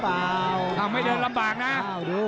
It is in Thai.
อ้าวดู